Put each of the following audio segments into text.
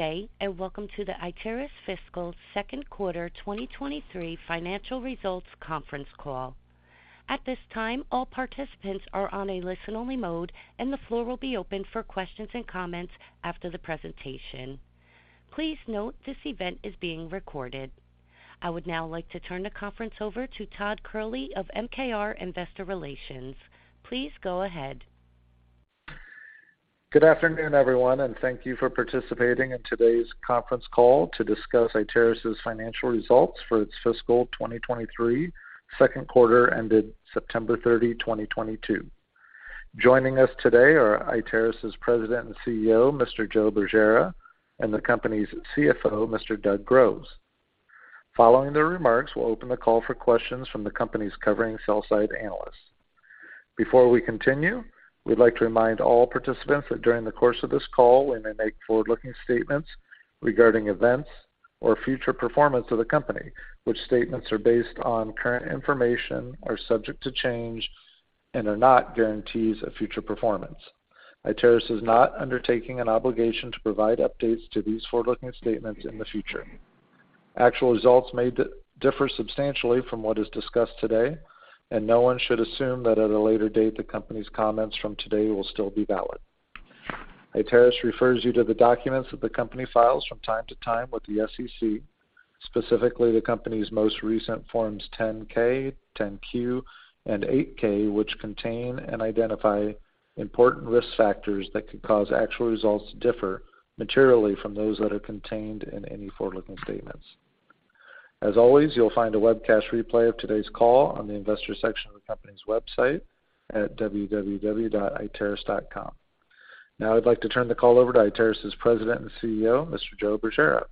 Good day, and welcome to the Iteris Fiscal Second Quarter 2023 Financial Results Conference Call. At this time, all participants are on a listen-only mode, and the floor will be open for questions and comments after the presentation. Please note this event is being recorded. I would now like to turn the conference over to Todd Kehrli of MKR Investor Relations. Please go ahead. Good afternoon, everyone, and thank you for participating in today's conference call to discuss Iteris' financial results for its fiscal 2023 second quarter ended September 30, 2022. Joining us today are Iteris' President and CEO, Mr. Joe Bergera, and the company's CFO, Mr. Doug Groves. Following their remarks, we'll open the call for questions from the company's covering sell-side analysts. Before we continue, we'd like to remind all participants that during the course of this call, we may make forward-looking statements regarding events or future performance of the company, which statements are based on current information, are subject to change, and are not guarantees of future performance. Iteris is not undertaking an obligation to provide updates to these forward-looking statements in the future. Actual results may differ substantially from what is discussed today, and no one should assume that at a later date, the company's comments from today will still be valid. Iteris refers you to the documents that the company files from time to time with the SEC, specifically the company's most recent Forms 10-K, 10-Q, and 8-K, which contain and identify important risk factors that could cause actual results to differ materially from those that are contained in any forward-looking statements. As always, you'll find a webcast replay of today's call on the Investors section of the company's website at www.iteris.com. Now I'd like to turn the call over to Iteris' President and CEO, Mr. Joe Bergera.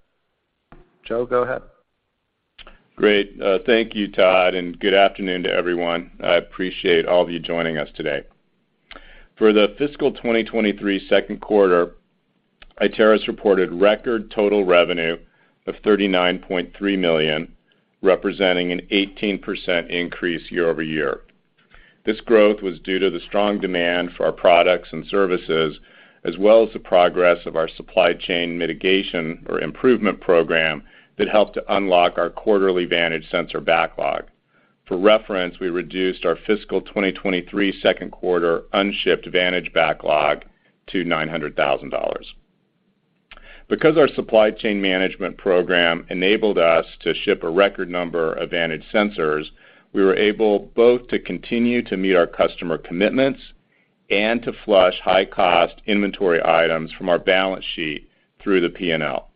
Joe, go ahead. Great. Thank you, Todd, and good afternoon to everyone. I appreciate all of you joining us today. For the fiscal 2023 second quarter, Iteris reported record total revenue of $39.3 million, representing an 18% increase year-over-year. This growth was due to the strong demand for our products and services, as well as the progress of our supply chain mitigation or improvement program that helped to unlock our quarterly Vantage sensor backlog. For reference, we reduced our fiscal 2023 second quarter unshipped Vantage backlog to $900,000. Because our supply chain management program enabled us to ship a record number of Vantage sensors, we were able both to continue to meet our customer commitments and to flush high-cost inventory items from our balance sheet through the P&L.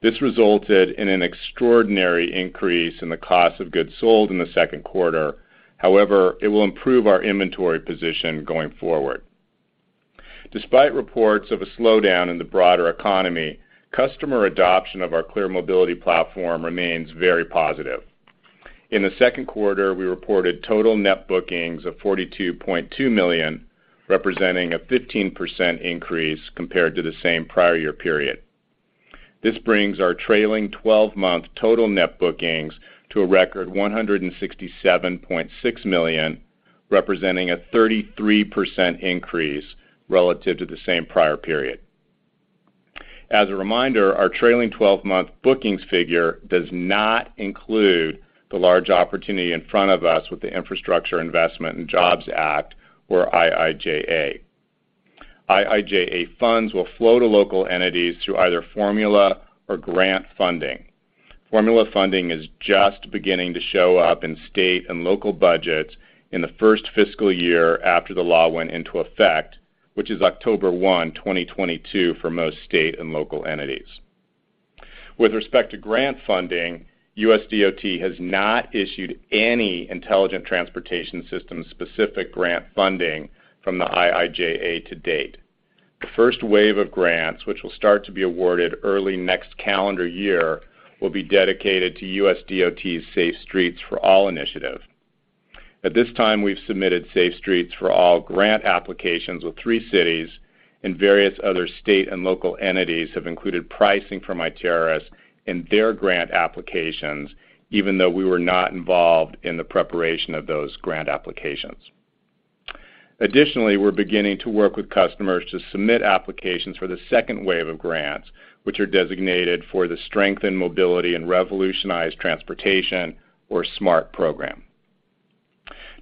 This resulted in an extraordinary increase in the cost of goods sold in the second quarter. However, it will improve our inventory position going forward. Despite reports of a slowdown in the broader economy, customer adoption of our ClearMobility platform remains very positive. In the second quarter, we reported total net bookings of $42.2 million, representing a 15% increase compared to the same prior year period. This brings our trailing 12-month total net bookings to a record $167.6 million, representing a 33% increase relative to the same prior period. As a reminder, our trailing 12-month bookings figure does not include the large opportunity in front of us with the Infrastructure Investment and Jobs Act, or IIJA. IIJA funds will flow to local entities through either formula or grant funding. Formula funding is just beginning to show up in state and local budgets in the first fiscal year after the law went into effect, which is October 1, 2022 for most state and local entities. With respect to grant funding, USDOT has not issued any intelligent Transportation System-specific grant funding from the IIJA to date. The first wave of grants, which will start to be awarded early next calendar year, will be dedicated to USDOT's Safe Streets and Roads for All initiative. At this time, we've submitted Safe Streets and Roads for All grant applications with three cities, and various other state and local entities have included pricing from Iteris in their grant applications, even though we were not involved in the preparation of those grant applications. We're beginning to work with customers to submit applications for the second wave of grants, which are designated for the Strengthen Mobility and Revolutionize Transportation, or SMART program.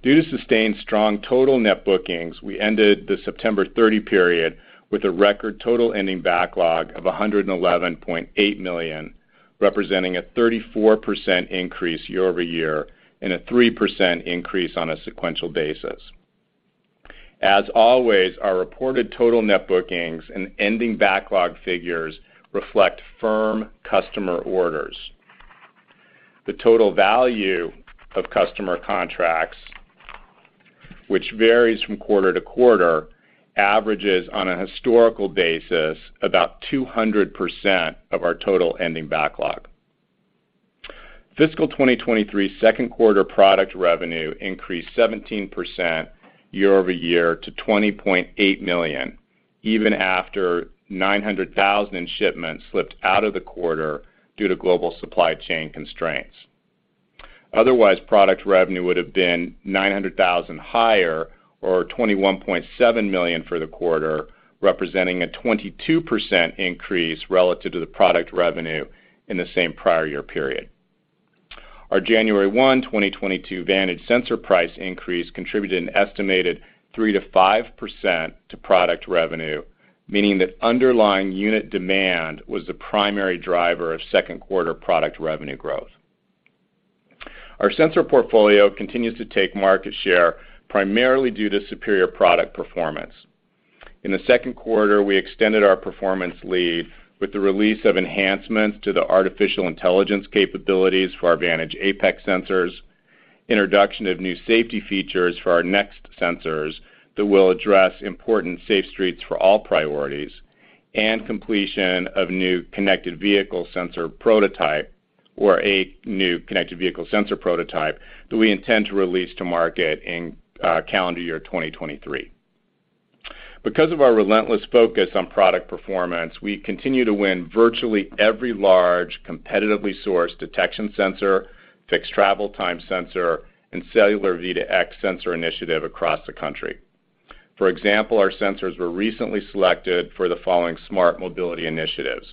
Due to sustained strong total net bookings, we ended the September 30 period with a record total ending backlog of $111.8 million, representing a 34% increase year-over-year and a 3% increase on a sequential basis. As always, our reported total net bookings and ending backlog figures reflect firm customer orders. The total value of customer contracts, which varies from quarter to quarter, averages on a historical basis about 200% of our total ending backlog. Fiscal 2023 second quarter product revenue increased 17% year-over-year to $20.8 million, even after $900,000 in shipments slipped out of the quarter due to global supply chain constraints. Otherwise, product revenue would have been $900,000 higher or $21.7 million for the quarter, representing a 22% increase relative to the product revenue in the same prior year period. Our January 1, 2022 Vantage sensor price increase contributed an estimated 3%-5% to product revenue, meaning that underlying unit demand was the primary driver of second quarter product revenue growth. Our sensor portfolio continues to take market share primarily due to superior product performance. In the second quarter, we extended our performance lead with the release of enhancements to the artificial intelligence capabilities for our Vantage Apex sensors, introduction of new safety features for our Vantage Next sensors that will address important Safe Streets for All priorities, and completion of a new connected vehicle sensor prototype that we intend to release to market in calendar year 2023. Because of our relentless focus on product performance, we continue to win virtually every large, competitively sourced detection sensor, fixed travel time sensor, and cellular V2X sensor initiative across the country. For example, our sensors were recently selected for the following smart mobility initiatives.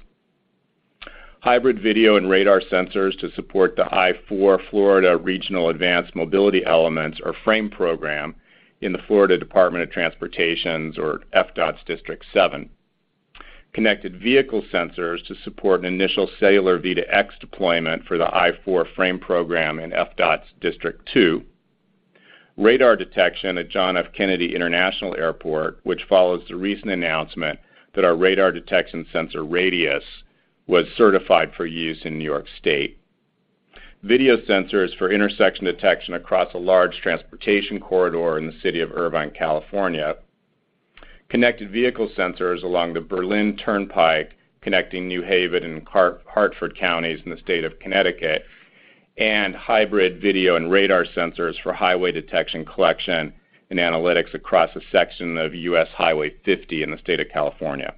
Hybrid video and radar sensors to support the I-4 Florida Regional Advanced Mobility Elements, or FRAME program, in the Florida Department of Transportation's, or FDOT's, District 7 Connected vehicle sensors to support an initial cellular V2X deployment for the I-4 FRAME program in FDOT's District 2. Radar detection at John F. Kennedy International Airport, which follows the recent announcement that our radar detection sensor, Radius, was certified for use in New York State. Video sensors for intersection detection across a large transportation corridor in the city of Irvine, California. Connected vehicle sensors along the Berlin Turnpike, connecting New Haven and Hartford counties in the state of Connecticut, and hybrid video and radar sensors for highway detection collection and analytics across a section of U.S. Highway 50 in the state of California.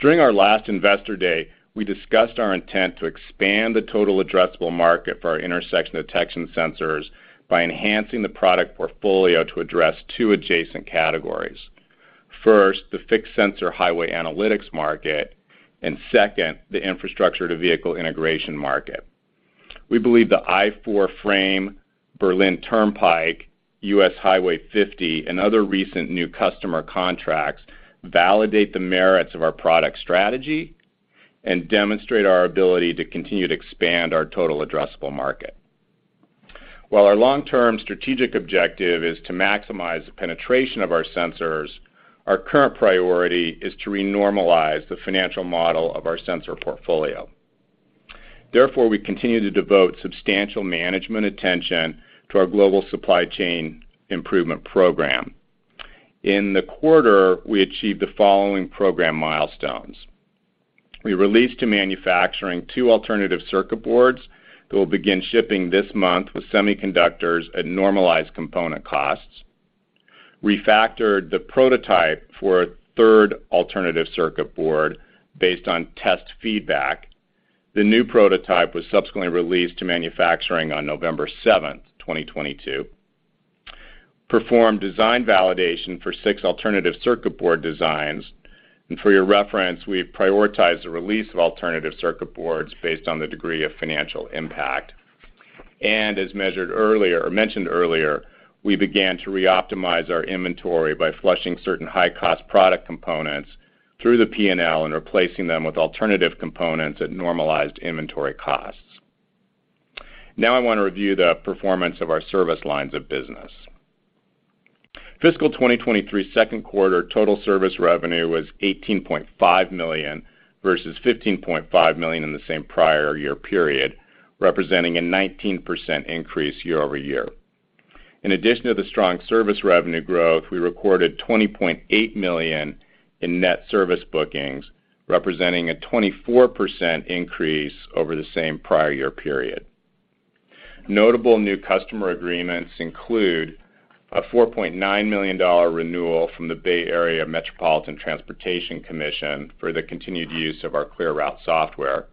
During our last Investor Day, we discussed our intent to expand the total addressable market for our intersection detection sensors by enhancing the product portfolio to address two adjacent categories. First, the fixed sensor highway analytics market, and second, the infrastructure to vehicle integration market. We believe the I-4 FRAME, Berlin Turnpike, U.S. Highway 50, and other recent new customer contracts validate the merits of our product strategy and demonstrate our ability to continue to expand our total addressable market. While our long-term strategic objective is to maximize the penetration of our sensors, our current priority is to renormalize the financial model of our sensor portfolio. Therefore, we continue to devote substantial management attention to our global supply chain improvement program. In the quarter, we achieved the following program milestones. We released to manufacturing two alternative circuit boards that will begin shipping this month with semiconductors at normalized component costs. Refactored the prototype for a third alternative circuit board based on test feedback. The new prototype was subsequently released to manufacturing on November seventh, 2022. Performed design validation for six alternative circuit board designs. For your reference, we have prioritized the release of alternative circuit boards based on the degree of financial impact. As measured earlier, or mentioned earlier, we began to reoptimize our inventory by flushing certain high-cost product components through the P&L and replacing them with alternative components at normalized inventory costs. Now I want to review the performance of our service lines of business. Fiscal 2023 second quarter total service revenue was $18.5 million, versus $15.5 million in the same prior year period, representing a 19% increase year-over-year. In addition to the strong service revenue growth, we recorded $20.8 million in net service bookings, representing a 24% increase over the same prior year period. Notable new customer agreements include a $4.9 million renewal from the Metropolitan Transportation Commission for the continued use of our ClearRoute software.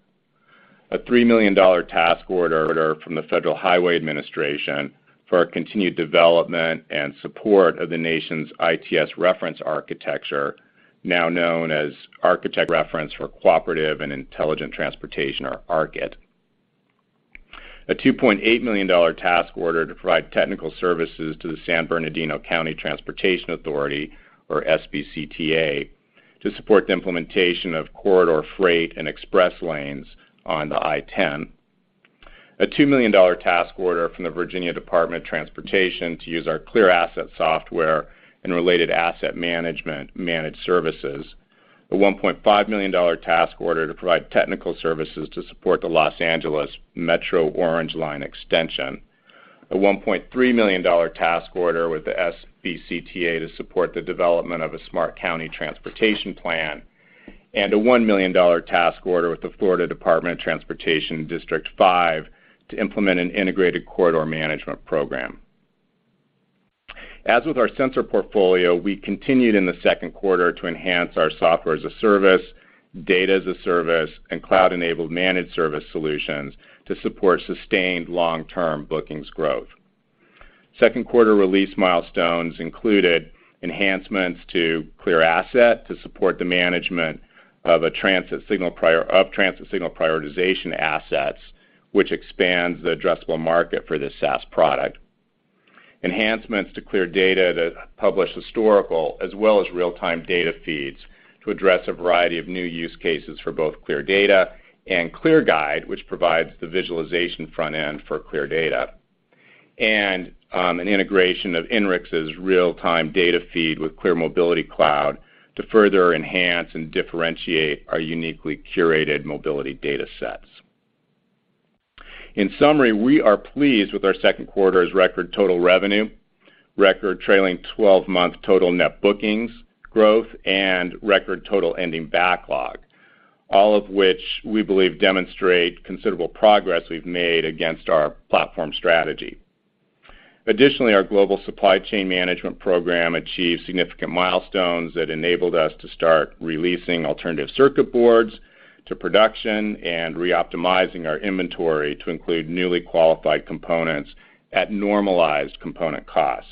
A $3 million task order from the Federal Highway Administration for our continued development and support of the nation's ITS reference architecture, now known as Architecture Reference for Cooperative and Intelligent Transportation, or ARC-IT. A $2.8 million task order to provide technical services to the San Bernardino County Transportation Authority, or SBCTA, to support the implementation of corridor freight and express lanes on the I-10. A $2 million task order from the Virginia Department of Transportation to use our ClearAsset software and related asset management managed services. A $1.5 million task order to provide technical services to support the Los Angeles Metro Orange Line Extension. A $1.3 million task order with the San Bernardino County Transportation Authority to support the development of a smart county transportation plan. A $1 million task order with the Florida Department of Transportation District 5 to implement an integrated corridor management program. As with our sensor portfolio, we continued in the second quarter to enhance our software-as-a-service, data-as-a-service, and cloud-enabled managed service solutions to support sustained long-term bookings growth. Second quarter release milestones included enhancements to ClearAsset to support the management of transit signal prioritization assets, which expands the addressable market for this SaaS product. Enhancements to ClearData that publish historical as well as real-time data feeds to address a variety of new use cases for both ClearData and ClearGuide, which provides the visualization front end for ClearData. An integration of INRIX's real-time data feed with ClearMobility Cloud to further enhance and differentiate our uniquely curated mobility data sets. In summary, we are pleased with our second quarter's record total revenue, record trailing 12-month total net bookings growth, and record total ending backlog, all of which we believe demonstrate considerable progress we've made against our platform strategy. Additionally, our global supply chain management program achieved significant milestones that enabled us to start releasing alternative circuit boards to production and reoptimizing our inventory to include newly qualified components at normalized component costs.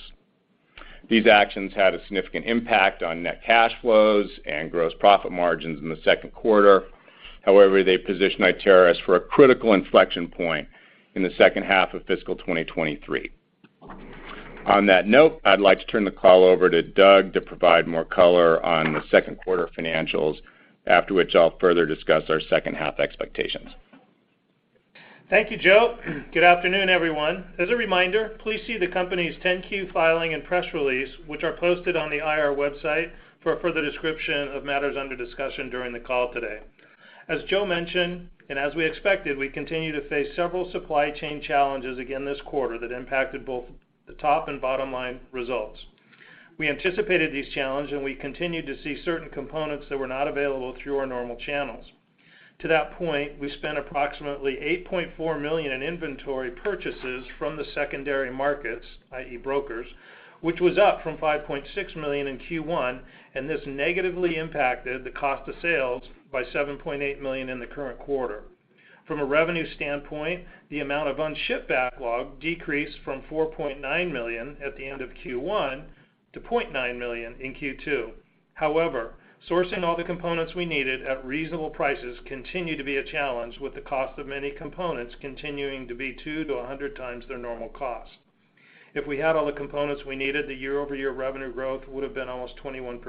These actions had a significant impact on net cash flows and gross profit margins in the second quarter. However, they position Iteris for a critical inflection point in the second half of fiscal 2023. On that note, I'd like to turn the call over to Doug to provide more color on the second quarter financials, after which I'll further discuss our second half expectations. Thank you, Joe. Good afternoon, everyone. As a reminder, please see the company's 10-Q filing and press release, which are posted on the IR website for a further description of matters under discussion during the call today. As Joe mentioned, and as we expected, we continue to face several supply chain challenges again this quarter that impacted both the top- and bottom-line results. We anticipated these challenges, and we continued to see certain components that were not available through our normal channels. To that point, we spent approximately $8.4 million in inventory purchases from the secondary markets, i.e., brokers, which was up from $5.6 million in Q1, and this negatively impacted the cost of sales by $7.8 million in the current quarter. From a revenue standpoint, the amount of unshipped backlog decreased from $4.9 million at the end of Q1 to $0.9 million in Q2. However, sourcing all the components we needed at reasonable prices continued to be a challenge with the cost of many components continuing to be 2x-100x their normal cost. If we had all the components we needed, the year-over-year revenue growth would have been almost 21%.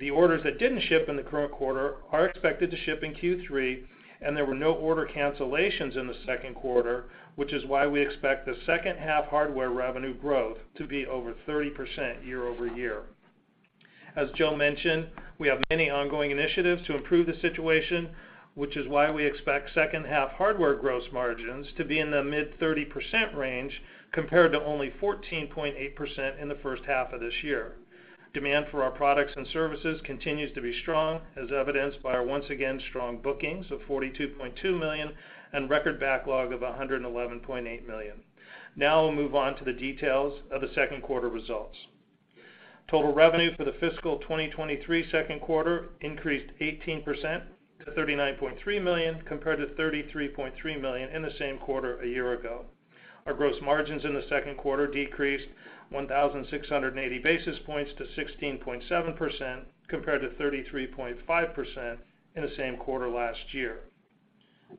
The orders that didn't ship in the current quarter are expected to ship in Q3, and there were no order cancellations in the second quarter, which is why we expect the second half hardware revenue growth to be over 30% year-over-year. As Joe mentioned, we have many ongoing initiatives to improve the situation, which is why we expect second half hardware gross margins to be in the mid-30% range compared to only 14.8% in the first half of this year. Demand for our products and services continues to be strong, as evidenced by our once again strong bookings of $42.2 million and record backlog of $111.8 million. Now we'll move on to the details of the second quarter results. Total revenue for the fiscal 2023 second quarter increased 18% to $39.3 million compared to $33.3 million in the same quarter a year ago. Our gross margins in the second quarter decreased 1,680 basis points to 16.7% compared to 33.5% in the same quarter last year.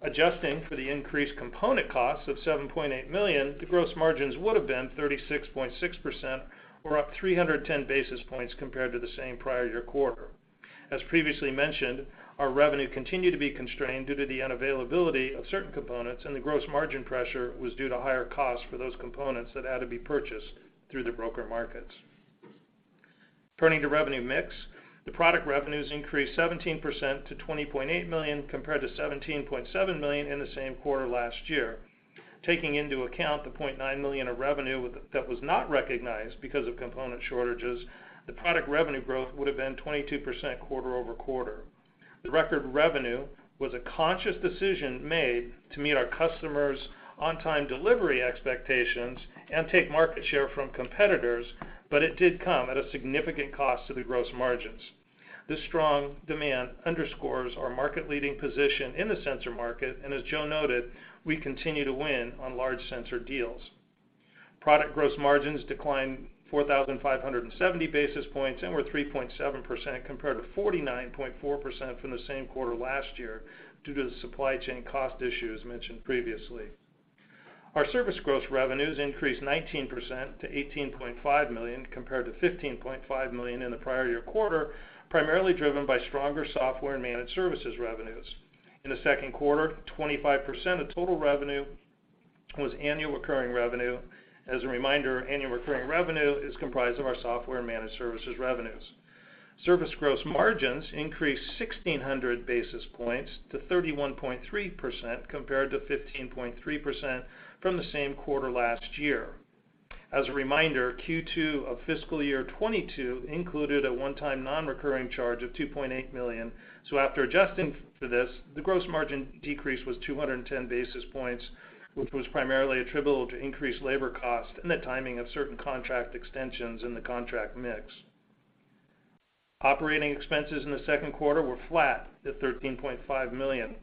Adjusting for the increased component cost of $7.8 million, the gross margins would have been 36.6% or up 310 basis points compared to the same prior year quarter. As previously mentioned, our revenue continued to be constrained due to the unavailability of certain components, and the gross margin pressure was due to higher costs for those components that had to be purchased through the broker markets. Turning to revenue mix, the product revenues increased 17% to $20.8 million compared to $17.7 million in the same quarter last year. Taking into account the $0.9 million of revenue that was not recognized because of component shortages, the product revenue growth would have been 22% quarter-over-quarter. The record revenue was a conscious decision made to meet our customers' on-time delivery expectations and take market share from competitors, but it did come at a significant cost to the gross margins. This strong demand underscores our market-leading position in the sensor market, and as Joe noted, we continue to win on large sensor deals. Product gross margins declined 4,570 basis points and were 3.7% compared to 49.4% from the same quarter last year due to the supply chain cost issue as mentioned previously. Our service gross revenues increased 19% to $18.5 million compared to $15.5 million in the prior year quarter, primarily driven by stronger software and managed services revenues. In the second quarter, 25% of total revenue was annual recurring revenue. As a reminder, annual recurring revenue is comprised of our software and managed services revenues. Service gross margins increased 1,600 basis points to 31.3% compared to 15.3% from the same quarter last year. As a reminder, Q2 of fiscal year 2022 included a one-time non-recurring charge of $2.8 million. After adjusting for this, the gross margin decrease was 210 basis points, which was primarily attributable to increased labor cost and the timing of certain contract extensions in the contract mix. Operating expenses in the second quarter were flat at $13.5 million.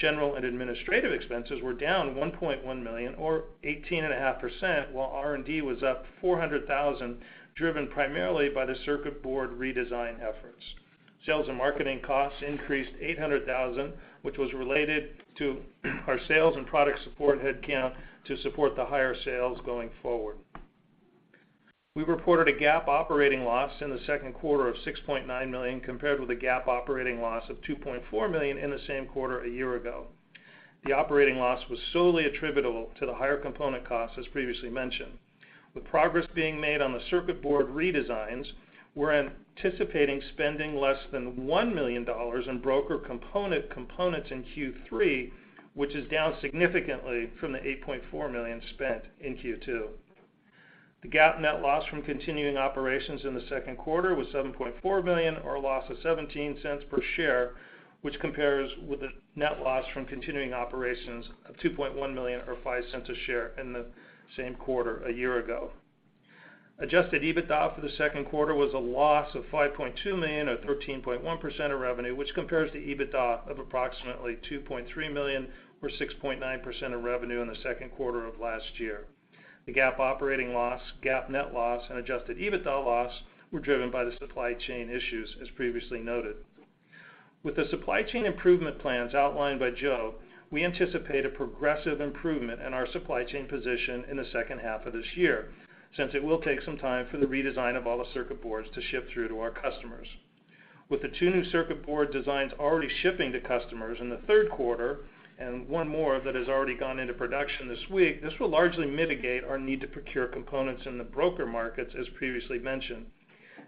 General and administrative expenses were down $1.1 million or 18.5%, while R&D was up $400,000, driven primarily by the circuit board redesign efforts. Sales and marketing costs increased $800,000, which was related to our sales and product support headcount to support the higher sales going forward. We reported a GAAP operating loss in the second quarter of $6.9 million, compared with a GAAP operating loss of $2.4 million in the same quarter a year ago. The operating loss was solely attributable to the higher component costs, as previously mentioned. With progress being made on the circuit board redesigns, we're anticipating spending less than $1 million on broader components in Q3, which is down significantly from the $8.4 million spent in Q2. The GAAP net loss from continuing operations in the second quarter was $7.4 million or a loss of $0.17 per share, which compares with the net loss from continuing operations of $2.1 million or $0.05 per share in the same quarter a year ago. Adjusted EBITDA for the second quarter was a loss of $5.2 million or 13.1% of revenue, which compares to EBITDA of approximately $2.3 million or 6.9% of revenue in the second quarter of last year. The GAAP operating loss, GAAP net loss, and Adjusted EBITDA loss were driven by the supply chain issues, as previously noted. With the supply chain improvement plans outlined by Joe, we anticipate a progressive improvement in our supply chain position in the second half of this year, since it will take some time for the redesign of all the circuit boards to ship through to our customers. With the two new circuit board designs already shipping to customers in the third quarter and one more that has already gone into production this week, this will largely mitigate our need to procure components in the broker markets, as previously mentioned.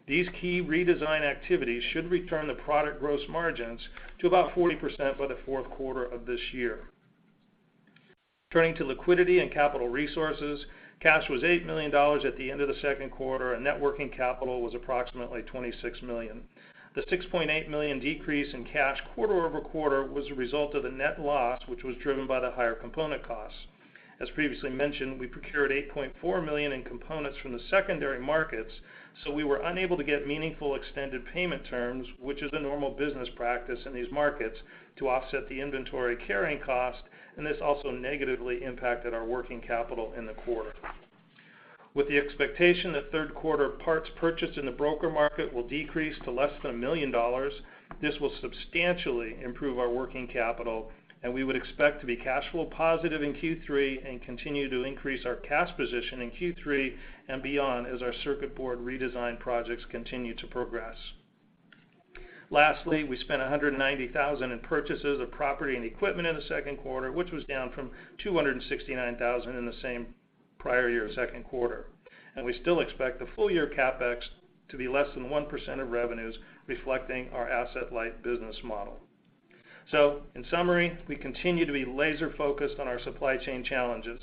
These key redesign activities should return the product gross margins to about 40% by the fourth quarter of this year. Turning to liquidity and capital resources, cash was $8 million at the end of the second quarter, and net working capital was approximately $26 million. The $6.8 million decrease in cash quarter-over-quarter was a result of the net loss, which was driven by the higher component costs. As previously mentioned, we procured $8.4 million in components from the secondary markets, so we were unable to get meaningful extended payment terms, which is a normal business practice in these markets, to offset the inventory carrying cost, and this also negatively impacted our working capital in the quarter. With the expectation that third quarter parts purchased in the broker market will decrease to less than $1 million, this will substantially improve our working capital, and we would expect to be cash flow positive in Q3 and continue to increase our cash position in Q3 and beyond as our circuit board redesign projects continue to progress. Lastly, we spent $190,000 in purchases of property and equipment in the second quarter, which was down from $269,000 in the same prior year second quarter. We still expect the full year CapEx to be less than 1% of revenues, reflecting our asset-light business model. In summary, we continue to be laser-focused on our supply chain challenges.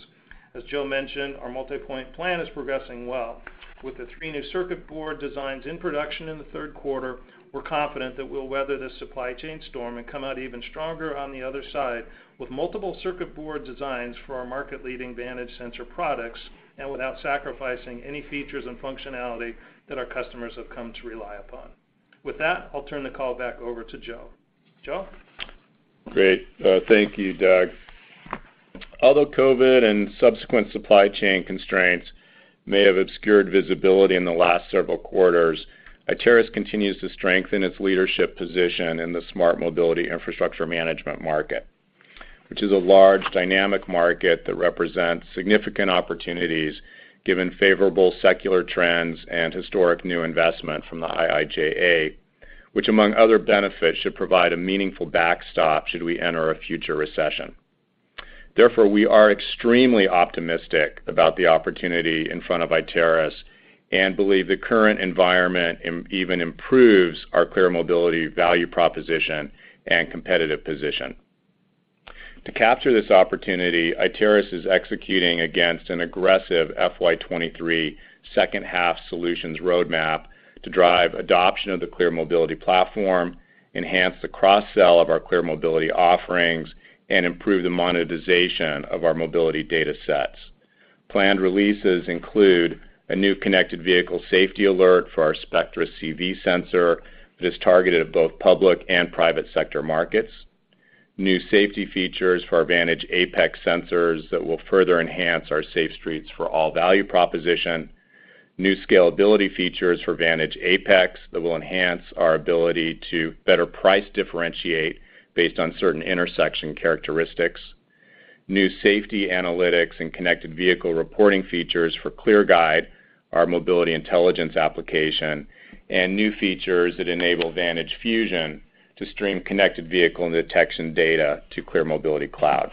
As Joe mentioned, our multipoint plan is progressing well. With the three new circuit board designs in production in the third quarter, we're confident that we'll weather this supply chain storm and come out even stronger on the other side with multiple circuit board designs for our market-leading Vantage sensor products and without sacrificing any features and functionality that our customers have come to rely upon. With that, I'll turn the call back over to Joe. Joe? Great. Thank you, Doug. Although COVID and subsequent supply chain constraints may have obscured visibility in the last several quarters, Iteris continues to strengthen its leadership position in the smart mobility infrastructure management market, which is a large, dynamic market that represents significant opportunities given favorable secular trends and historic new investment from the IIJA, which, among other benefits, should provide a meaningful backstop should we enter a future recession. Therefore, we are extremely optimistic about the opportunity in front of Iteris and believe the current environment even improves our ClearMobility value proposition and competitive position. To capture this opportunity, Iteris is executing against an aggressive FY 2023 second half solutions roadmap to drive adoption of the ClearMobility platform, enhance the cross-sell of our ClearMobility offerings, and improve the monetization of our mobility data sets. Planned releases include a new connected vehicle safety alert for our Spectra CV sensor that is targeted at both public and private sector markets, new safety features for our Vantage Apex sensors that will further enhance our Safe Streets for All value proposition, new scalability features for Vantage Apex that will enhance our ability to better price differentiate based on certain intersection characteristics, new safety analytics and connected vehicle reporting features for ClearGuide, our mobility intelligence application, and new features that enable Vantage Fusion to stream connected vehicle and detection data to ClearMobility Cloud.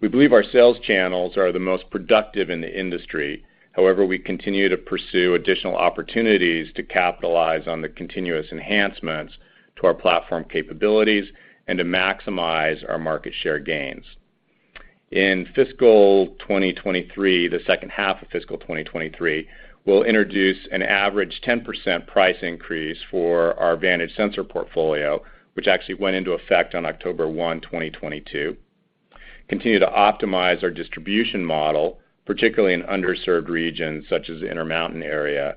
We believe our sales channels are the most productive in the industry. However, we continue to pursue additional opportunities to capitalize on the continuous enhancements to our platform capabilities and to maximize our market share gains. In fiscal 2023, the second half of fiscal 2023, we'll introduce an average 10% price increase for our Vantage sensor portfolio, which actually went into effect on October 1, 2022. Continue to optimize our distribution model, particularly in underserved regions such as the Intermountain area,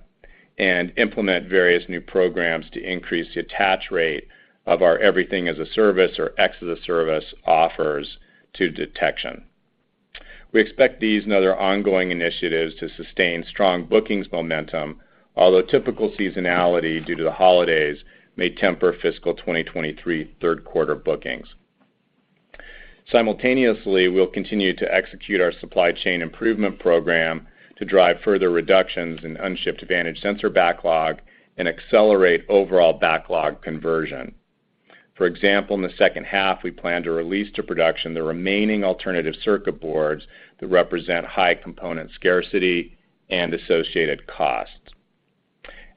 and implement various new programs to increase the attach rate of our everything as a service or XaaS offers to detection. We expect these and other ongoing initiatives to sustain strong bookings momentum, although typical seasonality due to the holidays may temper fiscal 2023 third quarter bookings. Simultaneously, we'll continue to execute our supply chain improvement program to drive further reductions in unshipped Vantage sensor backlog and accelerate overall backlog conversion. For example, in the second half, we plan to release to production the remaining alternative circuit boards that represent high component scarcity and associated costs.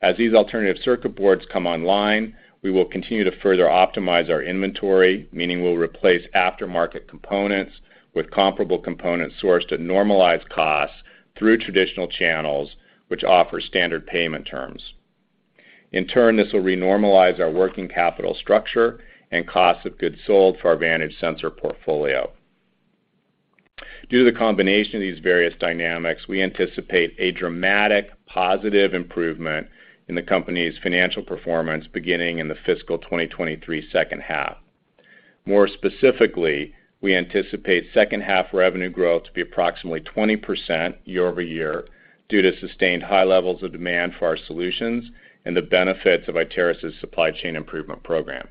As these alternative circuit boards come online, we will continue to further optimize our inventory, meaning we'll replace aftermarket components with comparable components sourced at normalized costs through traditional channels, which offer standard payment terms. In turn, this will re-normalize our working capital structure and cost of goods sold for our Vantage sensor portfolio. Due to the combination of these various dynamics, we anticipate a dramatic positive improvement in the company's financial performance beginning in the fiscal 2023 second half. More specifically, we anticipate second half revenue growth to be approximately 20% year-over-year due to sustained high levels of demand for our solutions and the benefits of Iteris' supply chain improvement program.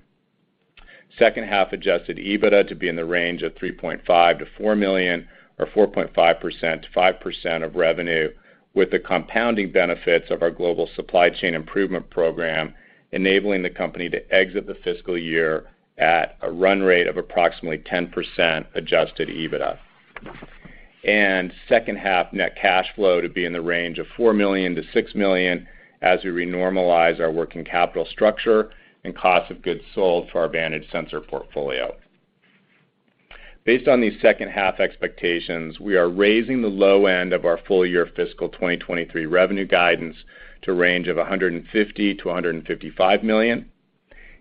Second half Adjusted EBITDA to be in the range of $3.5 million-$4 million or 4.5%-5% of revenue, with the compounding benefits of our global supply chain improvement program, enabling the company to exit the fiscal year at a run rate of approximately 10% Adjusted EBITDA. Second half net cash flow to be in the range of $4 million-$6 million as we re-normalize our working capital structure and cost of goods sold for our Vantage sensor portfolio. Based on these second-half expectations, we are raising the low end of our full-year fiscal 2023 revenue guidance to a range of $150 million-$155 million,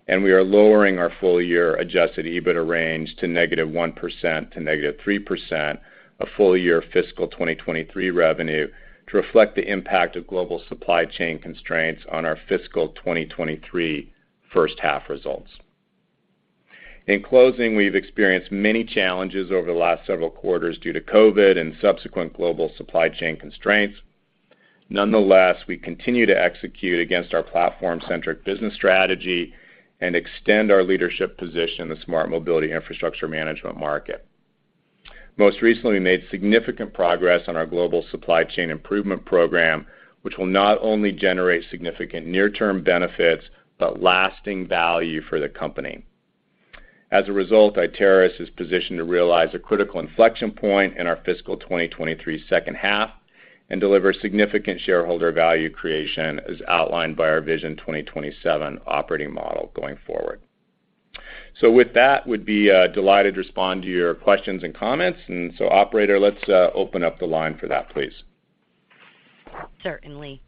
and we are lowering our full-year Adjusted EBITDA range to -1% to -3% of full-year fiscal 2023 revenue to reflect the impact of global supply chain constraints on our fiscal 2023 first half results. In closing, we've experienced many challenges over the last several quarters due to COVID and subsequent global supply chain constraints. Nonetheless, we continue to execute against our platform-centric business strategy and extend our leadership position in the smart mobility infrastructure management market. Most recently, we made significant progress on our global supply chain improvement program, which will not only generate significant near-term benefits, but lasting value for the company. As a result, Iteris is positioned to realize a critical inflection point in our fiscal 2023 second half and deliver significant shareholder value creation as outlined by our Vision 2027 operating model going forward. With that, we'd be delighted to respond to your questions and comments. Operator, let's open up the line for that, please. Certainly.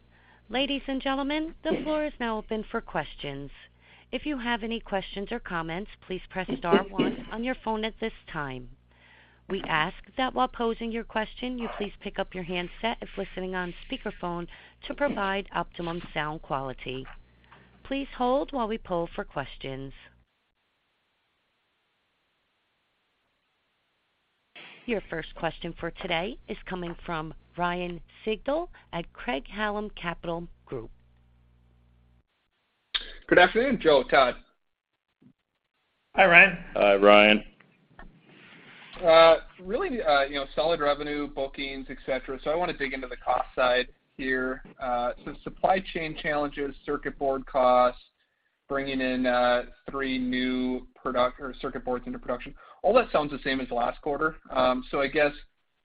Ladies and gentlemen, the floor is now open for questions. If you have any questions or comments, please press star one on your phone at this time. We ask that while posing your question, you please pick up your handset if listening on speakerphone to provide optimum sound quality. Please hold while we poll for questions. Your first question for today is coming from Ryan Sigdahl at Craig-Hallum Capital Group. Good afternoon, Joe, Todd. Hi, Ryan. Hi, Ryan. Really, you know, solid revenue, bookings, et cetera. I want to dig into the cost side here. Supply chain challenges, circuit board costs, bringing in three new product or circuit boards into production. All that sounds the same as last quarter. I guess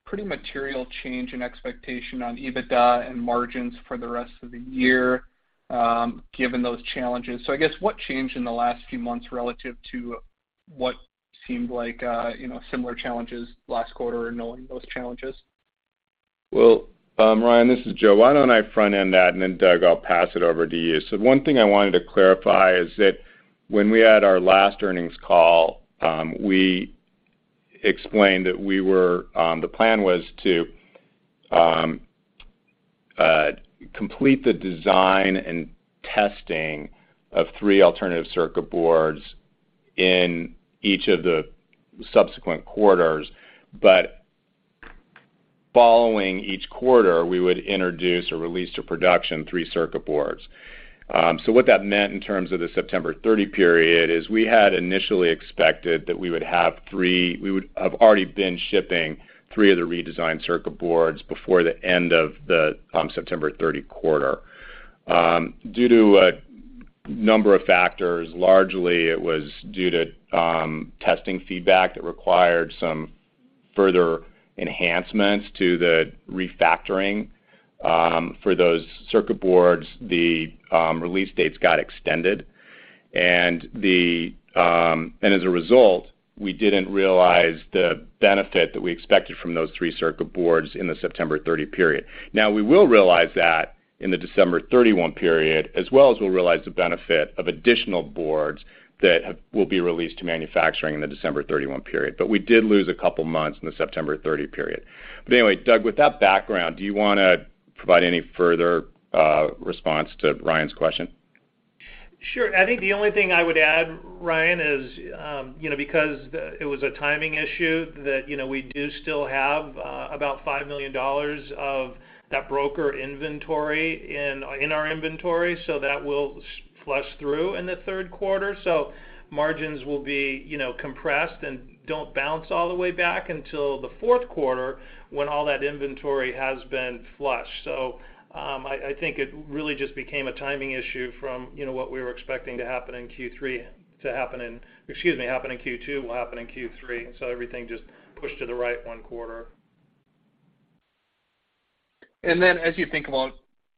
pretty material change in expectation on EBITDA and margins for the rest of the year, given those challenges. I guess what changed in the last few months relative to what seemed like, you know, similar challenges last quarter or knowing those challenges? Well, Ryan, this is Joe. Why don't I front-end that, and then Doug, I'll pass it over to you. One thing I wanted to clarify is that when we had our last earnings call, we explained that the plan was to complete the design and testing of three alternative circuit boards in each of the subsequent quarters. Following each quarter, we would introduce or release to production three circuit boards. What that meant in terms of the September 30 period is we had initially expected that we would have already been shipping three of the redesigned circuit boards before the end of the September 30 quarter. Due to a number of factors, largely it was due to testing feedback that required some further enhancements to the refactoring for those circuit boards, the release dates got extended. As a result, we didn't realize the benefit that we expected from those three circuit boards in the September 30 period. Now, we will realize that in the December 31 period, as well as we'll realize the benefit of additional boards that will be released to manufacturing in the December 31 period. We did lose a couple of months in the September 30 period. Anyway, Doug, with that background, do you wanna provide any further response to Ryan's question? Sure. I think the only thing I would add, Ryan, is, you know, because it was a timing issue that, you know, we do still have about $5 million of that broker inventory in our inventory, so that will flush through in the third quarter. Margins will be, you know, compressed and won't bounce all the way back until the fourth quarter when all that inventory has been flushed. I think it really just became a timing issue from, you know, what we were expecting to happen in Q2 to happen in Q3. Everything just pushed to the right one quarter. As you think about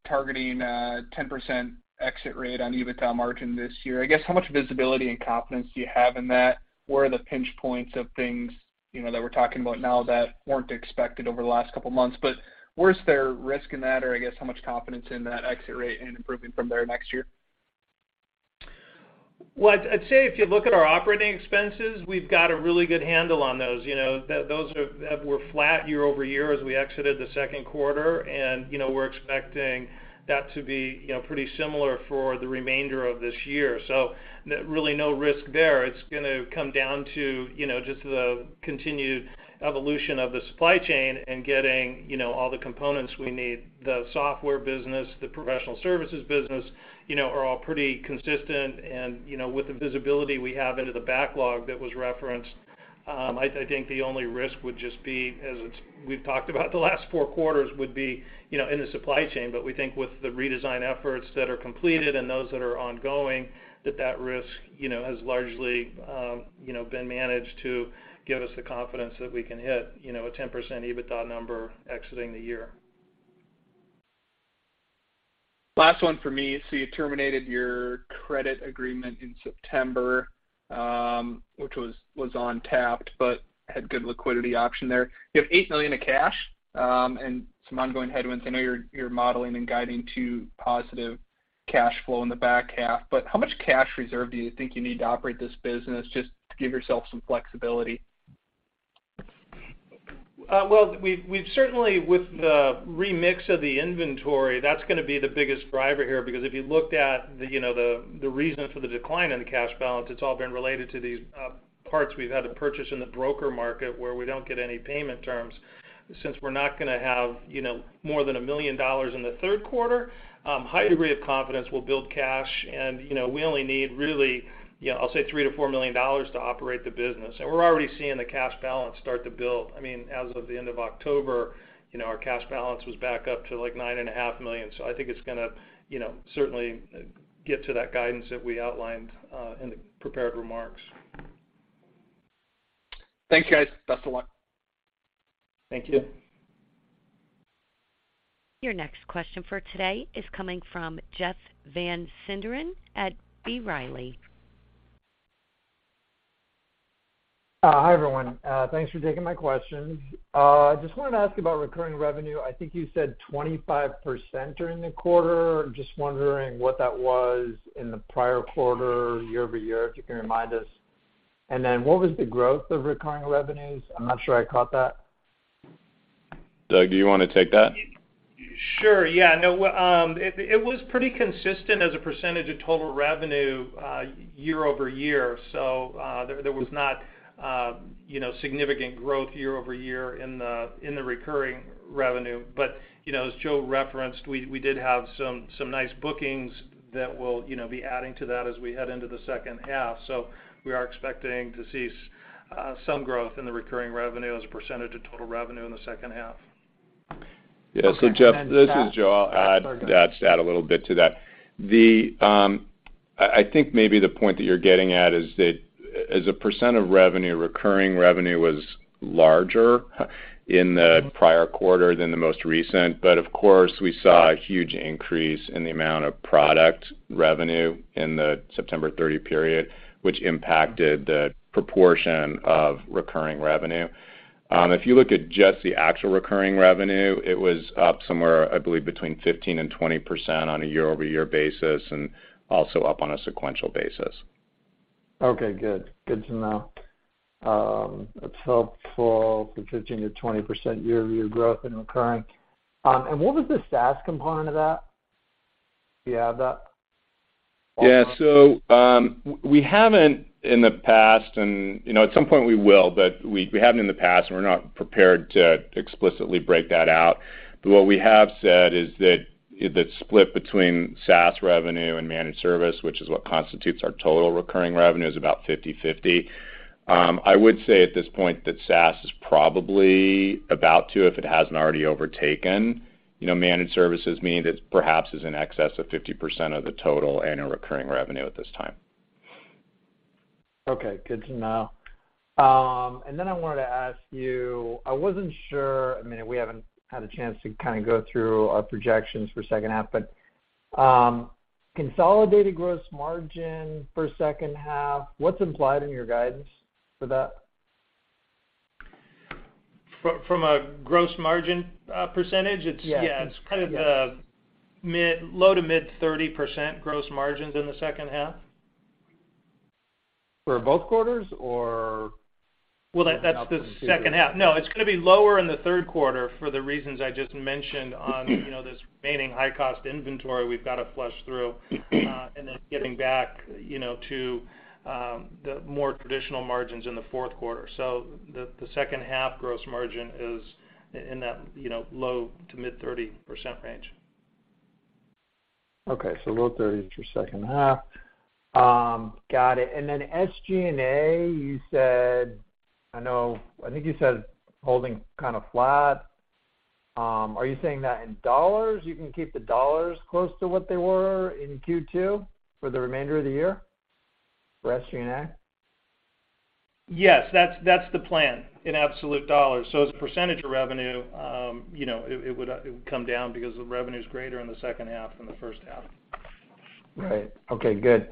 targeting 10% exit rate on EBITDA margin this year, I guess how much visibility and confidence do you have in that? Where are the pinch points of things, you know, that we're talking about now that weren't expected over the last couple of months, but where is there risk in that? Or I guess, how much confidence in that exit rate and improving from there next year? Well, I'd say if you look at our operating expenses, we've got a really good handle on those, you know. Those are we're flat year over year as we exited the second quarter. You know, we're expecting that to be, you know, pretty similar for the remainder of this year. There really no risk there. It's gonna come down to, you know, just the continued evolution of the supply chain and getting, you know, all the components we need. The software business, the professional services business, you know, are all pretty consistent. You know, with the visibility we have into the backlog that was referenced, I think the only risk would just be, as it's we've talked about the last four quarters, would be, you know, in the supply chain. We think with the redesign efforts that are completed and those that are ongoing, that risk, you know, has largely, you know, been managed to give us the confidence that we can hit, you know, a 10% EBITDA number exiting the year. Last one for me. You terminated your credit agreement in September, which was untapped, but had good liquidity option there. You have $8 million in cash, and some ongoing headwinds. I know you're modeling and guiding to positive cash flow in the back half, but how much cash reserve do you think you need to operate this business just to give yourself some flexibility? Well, we've certainly with the remix of the inventory, that's gonna be the biggest driver here, because if you looked at the, you know, the reason for the decline in the cash balance, it's all been related to these parts we've had to purchase in the broker market where we don't get any payment terms. Since we're not gonna have, you know, more than $1 million in the third quarter, high degree of confidence we'll build cash. You know, we only need really, you know, I'll say $3 million-$4 million to operate the business. We're already seeing the cash balance start to build. I mean, as of the end of October, you know, our cash balance was back up to, like, $9.5 million. I think it's gonna, you know, certainly get to that guidance that we outlined in the prepared remarks. Thanks, guys. Best of luck. Thank you. Your next question for today is coming from Jeff Van Sinderen at B. Riley. Hi, everyone. Thanks for taking my questions. Just wanted to ask about recurring revenue. I think you said 25% during the quarter. Just wondering what that was in the prior quarter year-over-year, if you can remind us. What was the growth of recurring revenues? I'm not sure I caught that. Doug, do you wanna take that? Sure. Yeah. No. Well, it was pretty consistent as a percentage of total revenue year-over-year. There was not, you know, significant growth year-over-year in the recurring revenue. You know, as Joe referenced, we did have some nice bookings that will, you know, be adding to that as we head into the second half. We are expecting to see some growth in the recurring revenue as a percentage of total revenue in the second half. Okay. Yeah. Jeff, this is Joe. Sorry, go ahead. I'll add a little bit to that. The I think maybe the point that you're getting at is that as a percent of revenue, recurring revenue was larger in the prior quarter than the most recent. Of course, we saw a huge increase in the amount of product revenue in the September 30 period, which impacted the proportion of recurring revenue. If you look at just the actual recurring revenue, it was up somewhere, I believe, between 15%-20% on a year-over-year basis and also up on a sequential basis. Okay, good. Good to know. That's helpful for 15%-20% year-over-year growth in recurring. What was the SaaS component of that? Do you have that? Yeah. We haven't in the past, and, you know, at some point we will, but we haven't in the past, and we're not prepared to explicitly break that out. What we have said is that the split between SaaS revenue and managed service, which is what constitutes our total recurring revenue, is about 50/50. I would say at this point that SaaS is probably about to, if it hasn't already overtaken, you know, managed services, meaning it perhaps is in excess of 50% of the total annual recurring revenue at this time. Okay, good to know. I wanted to ask you, I wasn't sure, I mean, we haven't had a chance to kind of go through projections for second half, but consolidated gross margin for second half, what's implied in your guidance for that? From a gross margin percentage? Yeah. Yeah. Yes. It's kind of the low to mid 30% gross margins in the second half. For both quarters or. Well, that's the second half. No, it's gonna be lower in the third quarter for the reasons I just mentioned on, you know, this remaining high-cost inventory we've gotta flush through, and then getting back, you know, to the more traditional margins in the fourth quarter. So the second half gross margin is in that, you know, low-to-mid 30% range. Okay, low thirties your second half. Got it. SG&A, you said. I know, I think you said holding kind of flat. Are you saying that in dollars, you can keep the dollars close to what they were in Q2 for the remainder of the year for SG&A? Yes. That's the plan in absolute dollars. As a percentage of revenue, you know, it would come down because the revenue's greater in the second half than the first half. Right. Okay, good.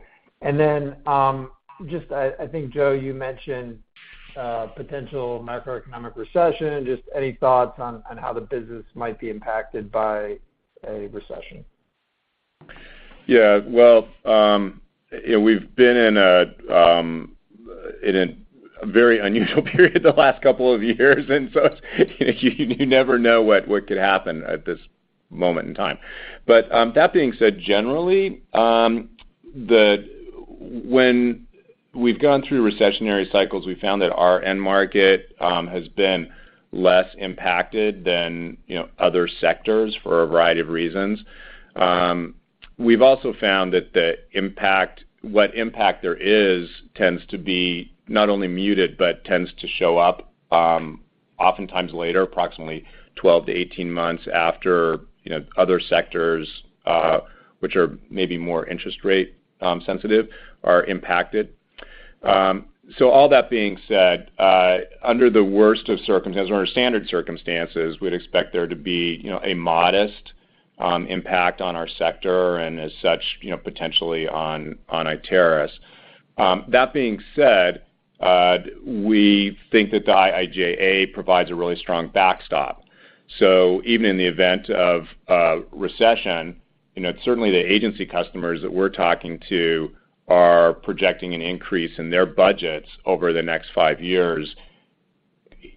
Just, I think, Joe, you mentioned potential macroeconomic recession. Just any thoughts on how the business might be impacted by a recession? Yeah. Well, you know, we've been in a very unusual period the last couple of years, and so you never know what could happen at this moment in time. That being said, generally, when we've gone through recessionary cycles, we've found that our end market has been less impacted than, you know, other sectors for a variety of reasons. We've also found that what impact there is tends to be not only muted, but tends to show up oftentimes later, approximately 12-18 months after, you know, other sectors which are maybe more interest rate sensitive are impacted. All that being said, under the worst of circumstances or under standard circumstances, we'd expect there to be, you know, a modest impact on our sector and as such, you know, potentially on Iteris. That being said, we think that the IIJA provides a really strong backstop. Even in the event of a recession, you know, certainly the agency customers that we're talking to are projecting an increase in their budgets over the next five years,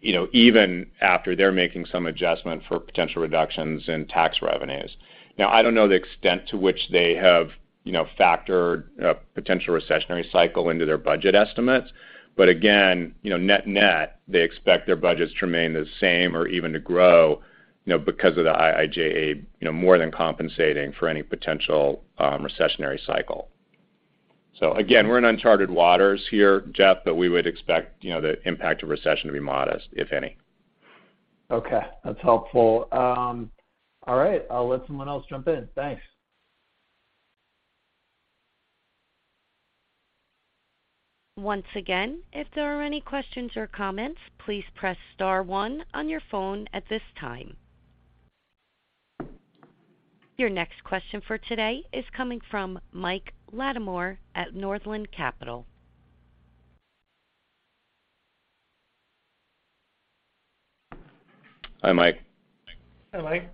you know, even after they're making some adjustment for potential reductions in tax revenues. Now, I don't know the extent to which they have, you know, factored a potential recessionary cycle into their budget estimates, but again, you know, net-net, they expect their budgets to remain the same or even to grow, you know, because of the IIJA, you know, more than compensating for any potential, recessionary cycle. Again, we're in uncharted waters here, Jeff, but we would expect, you know, the impact of recession to be modest, if any. Okay, that's helpful. All right, I'll let someone else jump in. Thanks. Once again, if there are any questions or comments, please press star one on your phone at this time. Your next question for today is coming from Mike Latimore at Northland Capital Markets. Hi, Mike. Hi, Mike.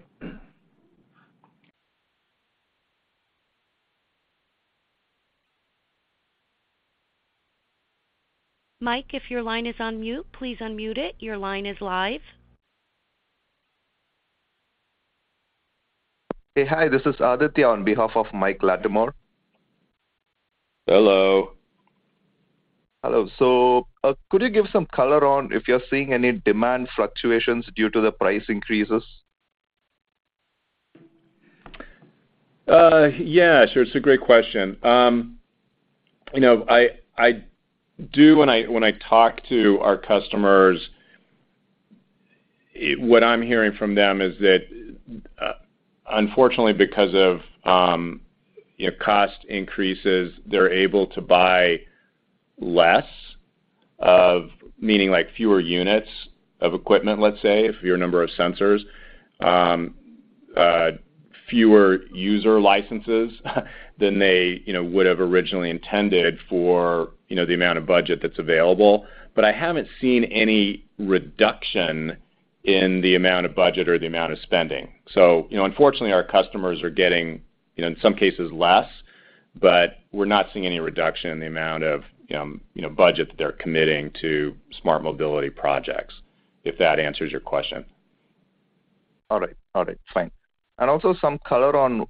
Mike, if your line is on mute, please unmute it. Your line is live. Hey, hi. This is Aditya on behalf of Michael Latimore. Hello. Hello. Could you give some color on if you're seeing any demand fluctuations due to the price increases? Yeah. Sure, it's a great question. You know, I do when I talk to our customers, what I'm hearing from them is that, unfortunately because of, you know, cost increases, they're able to buy less, meaning like fewer units of equipment, let's say, fewer number of sensors, fewer user licenses than they, you know, would have originally intended for, you know, the amount of budget that's available. But I haven't seen any reduction in the amount of budget or the amount of spending. You know, unfortunately, our customers are getting, in some cases, less, but we're not seeing any reduction in the amount of, you know, budget that they're committing to smart mobility projects, if that answers your question. All right, fine. Also some color on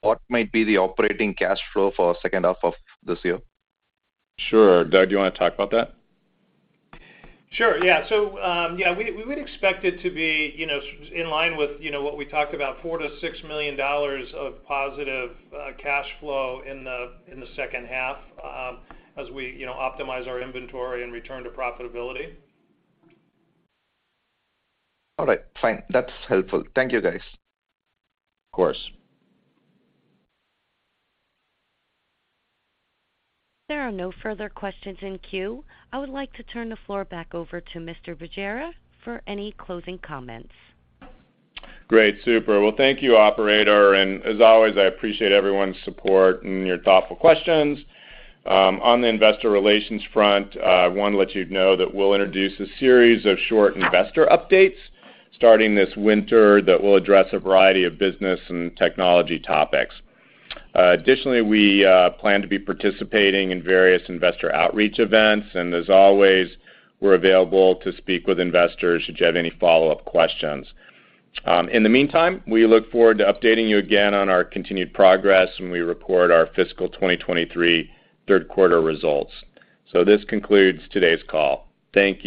what might be the operating cash flow for second half of this year. Sure. Doug, do you wanna talk about that? Sure, yeah. We would expect it to be, you know, in line with, you know, what we talked about, $4 million-$6 million of positive cash flow in the second half, as we, you know, optimize our inventory and return to profitability. All right. Fine. That's helpful. Thank you, guys. Of course. There are no further questions in queue. I would like to turn the floor back over to Mr. Bergera for any closing comments. Great. Super. Well, thank you, operator, and as always, I appreciate everyone's support and your thoughtful questions. On the investor relations front, wanna let you know that we'll introduce a series of short investor updates starting this winter that will address a variety of business and technology topics. Additionally, we plan to be participating in various investor outreach events, and as always, we're available to speak with investors should you have any follow-up questions. In the meantime, we look forward to updating you again on our continued progress when we report our fiscal 2023 third quarter results. This concludes today's call. Thank you.